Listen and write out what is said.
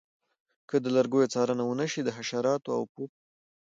که د لرګیو څارنه ونشي د حشراتو او پوپ